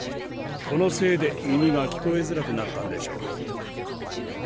このせいで耳が聞こえづらくなったんでしょう。